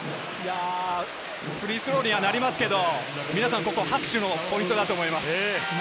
フリースローにはなりますけど、皆さん、ここ、拍手のポイントだと思います。